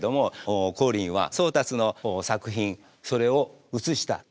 光琳は宗達の作品それを写した。